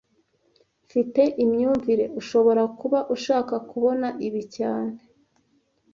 Mfite imyumvire ushobora kuba ushaka kubona ibi cyane